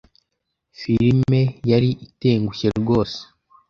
Filime yari itengushye rwose.